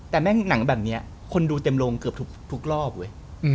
แต่แม่งหนังแบบนี้คนดูเต็มลงเกือบทุกรอบเว้ย